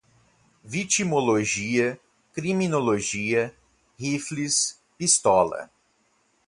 vitimologia, criminologia, rifles, pistola